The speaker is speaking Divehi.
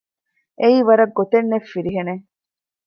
އެއީ ވަރަށް ގޮތެއްނެތް ފިރިހެނެއް